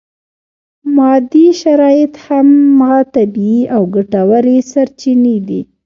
مادي شرایط هغه طبیعي او ګټورې سرچینې دي.